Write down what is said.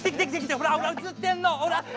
ほら映ってんのほら！